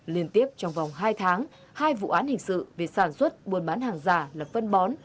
liên tiếp trong vòng hai tháng hai vụ án hình sự về sản xuất buôn bán hàng giả là phân bón